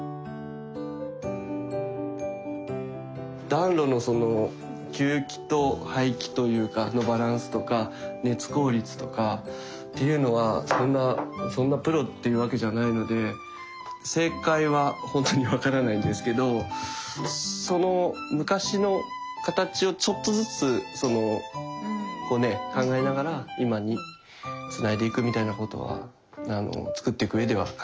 暖炉のその吸気と排気のバランスとか熱効率とかっていうのはそんなそんなプロっていうわけじゃないので正解はほんとに分からないんですけどその昔の形をちょっとずつ考えながら今につないでいくみたいなことは造っていく上では考えていきましたけど。